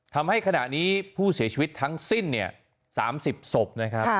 ทำให้ขณะนี้ผู้เสียชีวิตทั้งสิ้น๓๐ศพนะครับ